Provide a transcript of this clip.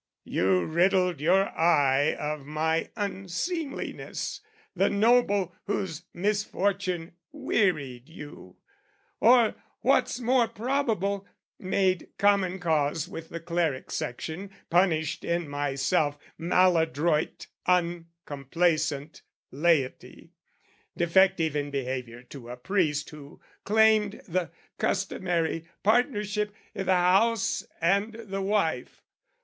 You riddled your eye of my unseemliness, The noble whose misfortune wearied you, Or, what's more probable, made common cause With the cleric section, punished in myself Maladroit uncomplaisant laity, Defective in behaviour to a priest Who claimed the customary partnership I' the house and the wife.